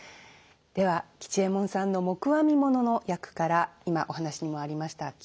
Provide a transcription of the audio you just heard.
では吉右衛門さんの黙阿弥物の役から今お話にもありました